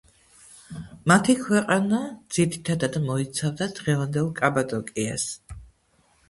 მათი ქვეყანა ძირითადად მოიცავდა დღევანდელ კაპადოკიას.